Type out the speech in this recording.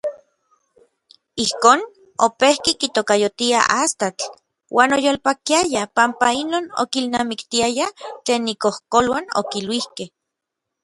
Ijkon, opejki kitokayotia Astatl uan oyolpakiaya panpa inon okilnamiktiaya tlen ikojkoluan okiluikej.